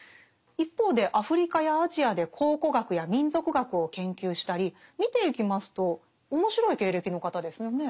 一方でアフリカやアジアで考古学や民俗学を研究したり見ていきますと面白い経歴の方ですよね。